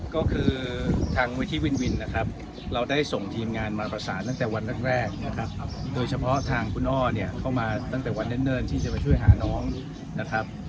ก็คือทางมูลที่วินวินนะครับเราได้ส่งทีมงานมาประสานตั้งแต่วันแรกนะครับโดยเฉพาะทางคุณอ้อเนี่ยก็มาตั้งแต่วันเนิ่นที่จะไปช่วยหาน้องนะครับ